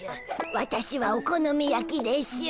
わたしはお好み焼きでしゅ。